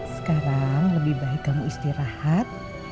sekarang lebih baik kamu istirahat